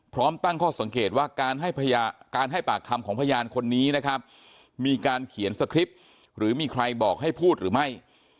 พร้อมตั้งข้อสังเกตว่าการให้การให้ปากคำของพยานคนนี้นะครับมีการเขียนสคริปต์หรือมีใครบอกให้พูดหรือไม่